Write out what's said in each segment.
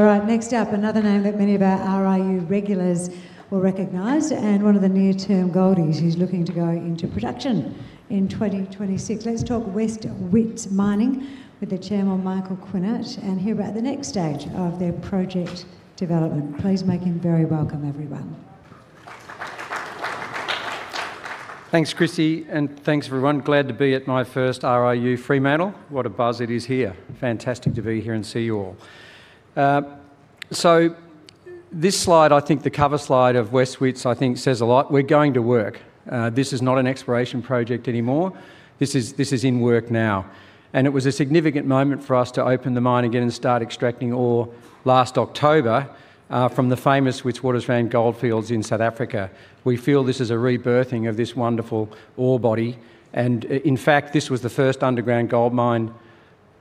All right, next up, another name that many of our RIU regulars will recognize, and one of the near-term goldies who's looking to go into production in 2026. Let's talk West Wits Mining with the Chairman, Michael Quinert, and hear about the next stage of their project development. Please make him very welcome, everyone. Thanks, Chrissy, and thanks, everyone. Glad to be at my first RIU Fremantle. What a buzz it is here. Fantastic to be here and see you all. So this slide, I think the cover slide of West Wits, I think says a lot. We're going to work. This is not an exploration project anymore. This is, this is in work now, and it was a significant moment for us to open the mine again and start extracting ore last October from the famous Witwatersrand Goldfields in South Africa. We feel this is a rebirthing of this wonderful ore body, and in fact, this was the first underground gold mine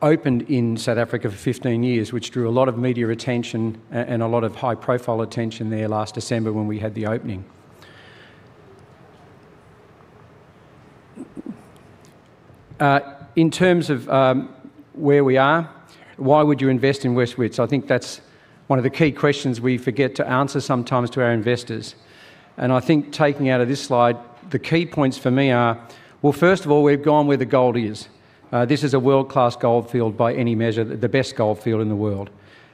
opened in South Africa for 15 years, which drew a lot of media attention and a lot of high-profile attention there last December when we had the opening. In terms of where we are, why would you invest in West Wits? I think that's one of the key questions we forget to answer sometimes to our investors, and I think taking out of this slide, the key points for me are: well, first of all, we've gone where the gold is. This is a world-class gold field by any measure, the best gold field in the world.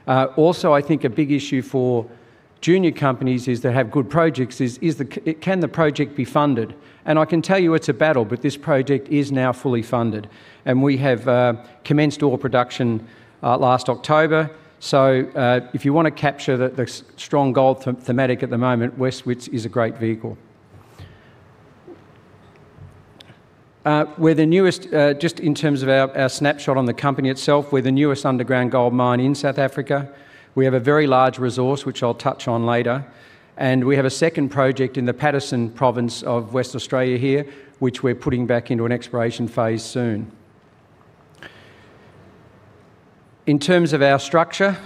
Also, I think a big issue for junior companies is to have good projects, can the project be funded? And I can tell you it's a battle, but this project is now fully funded, and we have commenced ore production last October. So, if you want to capture the strong gold thematic at the moment, West Wits is a great vehicle. We're the newest, just in terms of our snapshot on the company itself, we're the newest underground gold mine in South Africa. We have a very large resource, which I'll touch on later, and we have a second project in the Paterson Province of Western Australia here, which we're putting back into an exploration phase soon. In terms of our structure,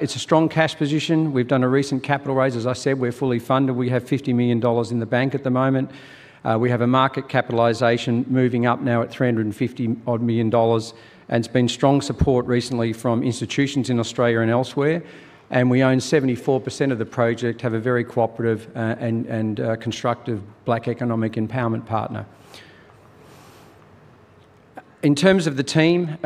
it's a strong cash position. We've done a recent capital raise. As I said, we're fully funded. We have $50 million in the bank at the moment. We have a market capitalization moving up now at $350-odd million, and it's been strong support recently from institutions in Australia and elsewhere, and we own 74% of the project, have a very cooperative and constructive Black Economic Empowerment partner. In terms of the team,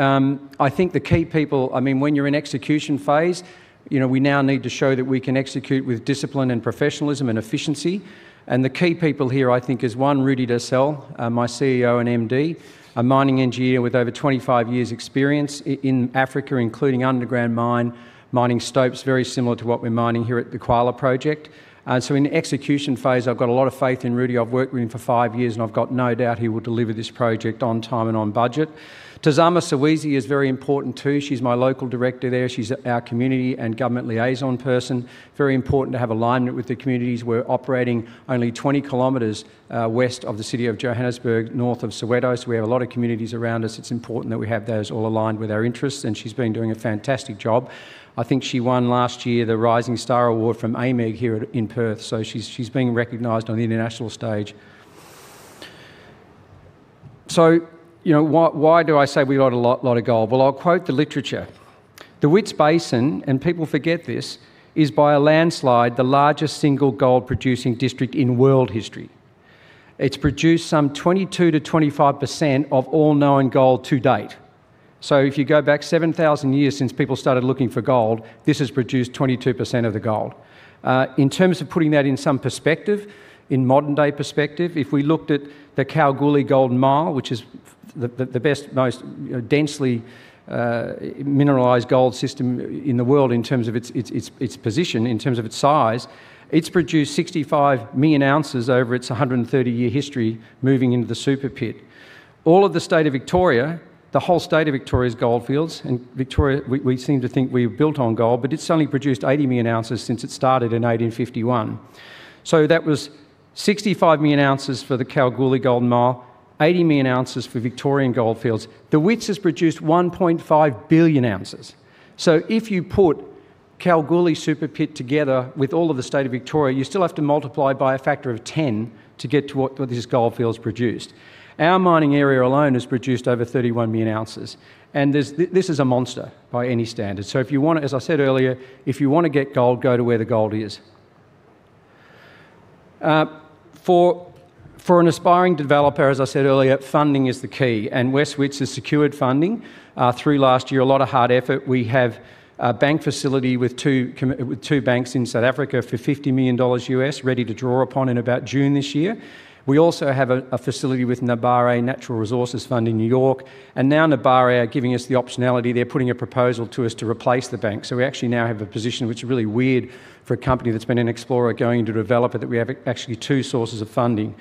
I think the key people... I mean, when you're in execution phase, you know, we now need to show that we can execute with discipline and professionalism and efficiency, and the key people here, I think, is, one, Rudi Deysel, my CEO and MD, a mining engineer with over 25 years experience in Africa, including underground mine, mining stopes, very similar to what we're mining here at the Qala project. So in the execution phase, I've got a lot of faith in Rudi. I've worked with him for 5 years, and I've got no doubt he will deliver this project on time and on budget. Tozama Kulati Siwisa is very important, too. She's my Local Director there. She's our community and government liaison person. Very important to have alignment with the communities. We're operating only 20 km west of the city of Johannesburg, north of Soweto, so we have a lot of communities around us. It's important that we have those all aligned with our interests, and she's been doing a fantastic job. I think she won last year the Rising Star Award from AAMEG here at, in Perth, so she's, she's being recognized on the international stage. So, you know, why, why do I say we got a lot, lot of gold? Well, I'll quote the literature: "The Wits Basin," and people forget this, "is by a landslide, the largest single gold-producing district in world history. It's produced some 22%-25% of all known gold to date." So if you go back 7,000 years since people started looking for gold, this has produced 22% of the gold. In terms of putting that in some perspective, in modern-day perspective, if we looked at the Kalgoorlie Golden Mile, which is the best, most, you know, densely mineralized gold system in the world in terms of its position, in terms of its size, it's produced 65 million ounces over its 130-year history, moving into the Super Pit. All of the state of Victoria, the whole state of Victoria's gold fields, and Victoria, we seem to think we're built on gold, but it's only produced 80 million ounces since it started in 1851. So that was 65 million ounces for the Kalgoorlie Golden Mile, 80 million ounces for Victorian gold fields. The Wits has produced 1.5 billion ounces. So if you put Kalgoorlie Super Pit together with all of the state of Victoria, you still have to multiply by a factor of ten to get to what this gold field's produced. Our mining area alone has produced over 31 million ounces, and this is a monster by any standard. So if you wanna... As I said earlier, if you wanna get gold, go to where the gold is. For an aspiring developer, as I said earlier, funding is the key, and West Wits has secured funding through last year, a lot of hard effort. We have a bank facility with two banks in South Africa for $50 million, ready to draw upon in about June this year. We also have a facility with Nebari Natural Resources Fund in New York, and now Nebari are giving us the optionality. They're putting a proposal to us to replace the bank. So we actually now have a position, which is really weird for a company that's been an explorer going to developer, that we have actually two sources of funding.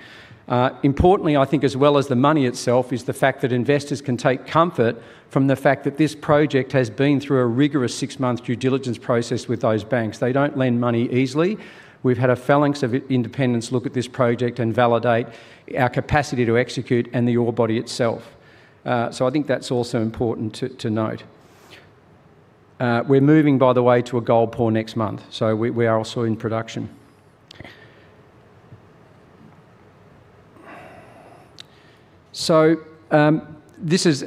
Importantly, I think, as well as the money itself, is the fact that investors can take comfort from the fact that this project has been through a rigorous six-month due diligence process with those banks. They don't lend money easily. We've had a phalanx of independents look at this project and validate our capacity to execute and the ore body itself. So I think that's also important to note. We're moving, by the way, to a gold pour next month, so we are also in production. So, this is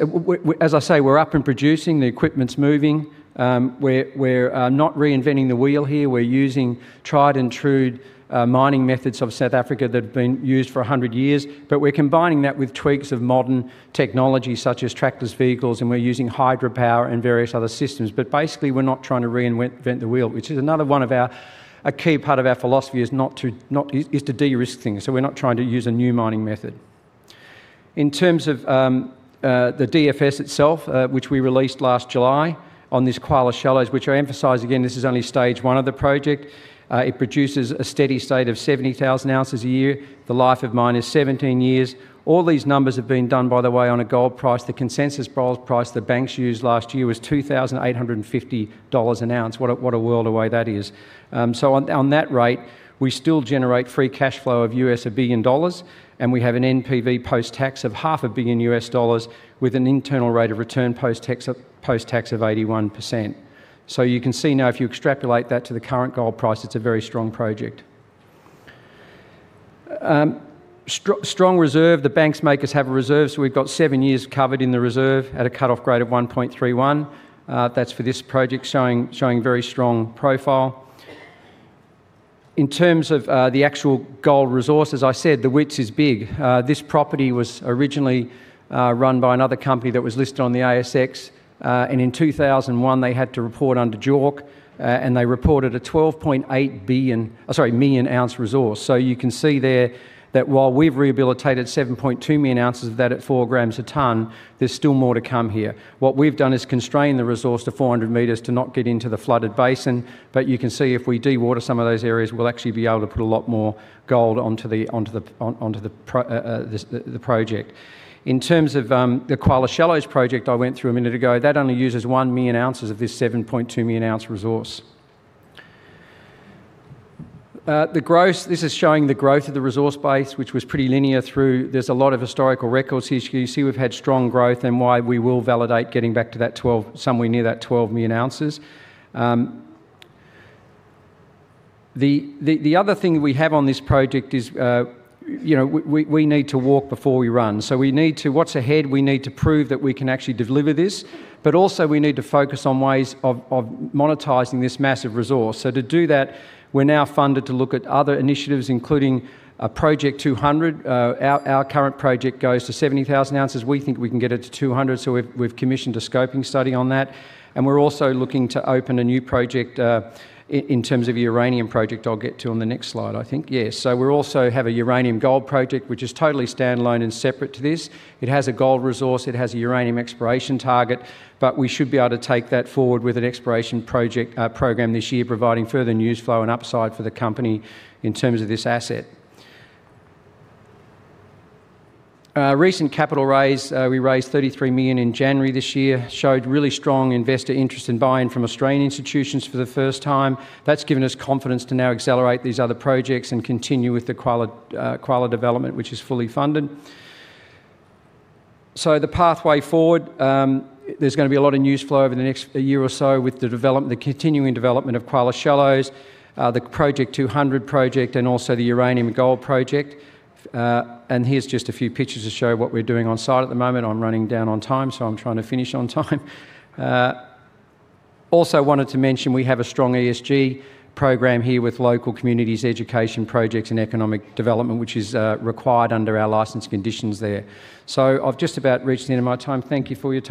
as I say, we're up and producing, the equipment's moving, we're not reinventing the wheel here. We're using tried and true mining methods of South Africa that have been used for 100 years, but we're combining that with tweaks of modern technology, such as trackless vehicles, and we're using hydropower and various other systems. But basically, we're not trying to reinvent the wheel, which is another one of our a key part of our philosophy is to de-risk things, so we're not trying to use a new mining method. In terms of the DFS itself, which we released last July on this Qala Shallows, which I emphasize again, this is only stage one of the project. It produces a steady state of 70,000 ounces a year. The life of mine is 17 years. All these numbers have been done, by the way, on a gold price. The consensus price the banks used last year was $2,850 an ounce. What a world away that is. So on that rate, we still generate free cash flow of $1 billion, and we have an NPV post-tax of $500 million, with an internal rate of return, post-tax, post-tax of 81%. So you can see now, if you extrapolate that to the current gold price, it's a very strong project. Strong reserve, the banks make us have a reserve, so we've got 7 years covered in the reserve at a cut-off grade of 1.31. That's for this project showing very strong profile. In terms of the actual gold resource, as I said, the Wits is big. This property was originally run by another company that was listed on the ASX, and in 2001, they had to report under JORC, and they reported a 12.8 billion... sorry, million-ounce resource. So you can see there that while we've rehabilitated 7.2 million ounces of that at 4 grams a ton, there's still more to come here. What we've done is constrain the resource to 400 meters to not get into the flooded basin, but you can see if we de-water some of those areas, we'll actually be able to put a lot more gold onto the project. In terms of the Qala Shallows Project I went through a minute ago, that only uses 1 million ounces of this 7.2 million ounce resource. The growth, this is showing the growth of the resource base, which was pretty linear through... There's a lot of historical records here. You see, we've had strong growth and why we will validate getting back to that 12, somewhere near that 12 million ounces. The other thing we have on this project is, you know, we need to walk before we run. So we need to what's ahead, we need to prove that we can actually deliver this, but also we need to focus on ways of monetizing this massive resource. So to do that, we're now funded to look at other initiatives, including a Project 200. Our current project goes to 70,000 ounces. We think we can get it to 200, so we've commissioned a scoping study on that, and we're also looking to open a new project, in terms of a uranium project, I'll get to on the next slide, I think. Yes. So we also have a uranium gold project, which is totally standalone and separate to this. It has a gold resource, it has a uranium exploration target, but we should be able to take that forward with an exploration project program this year, providing further news flow and upside for the company in terms of this asset. Recent capital raise, we raised AUD 33 million in January this year, showed really strong investor interest in buying from Australian institutions for the first time. That's given us confidence to now accelerate these other projects and continue with the Qala development, which is fully funded. So the pathway forward, there's gonna be a lot of news flow over the next year or so with the development, the continuing development of Qala Shallows, the Project 200 project, and also the Uranium Gold project. And here's just a few pictures to show what we're doing on site at the moment. I'm running down on time, so I'm trying to finish on time. Also wanted to mention, we have a strong ESG program here with local communities, education projects, and economic development, which is required under our license conditions there. So I've just about reached the end of my time. Thank you for your time.